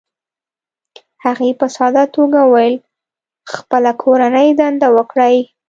هغې په ساده توګه وویل: "خپله کورنۍ دنده وکړئ،